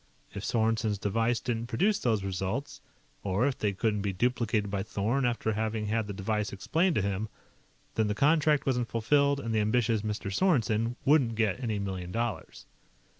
If Sorensen's device didn't produce those results, or if they couldn't be duplicated by Thorn after having had the device explained to him, then the contract wasn't fulfilled, and the ambitious Mr. Sorensen wouldn't get any million dollars.